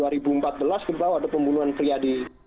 kita tahu ada pembunuhan pria di